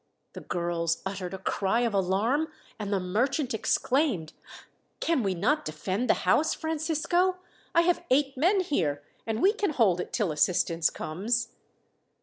The girls uttered a cry of alarm, and the merchant exclaimed: "Can we not defend the house, Francisco? I have eight men here, and we can hold it till assistance comes."